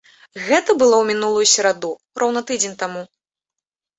Гэта было ў мінулую сераду, роўна тыдзень таму.